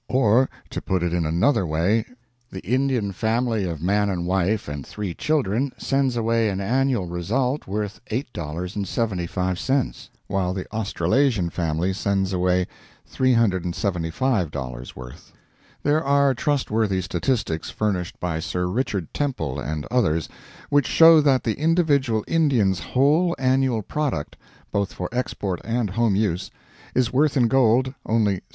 Or, to put it in another way, the Indian family of man and wife and three children sends away an annual result worth $8.75, while the Australasian family sends away $375 worth. There are trustworthy statistics furnished by Sir Richard Temple and others, which show that the individual Indian's whole annual product, both for export and home use, is worth in gold only $7.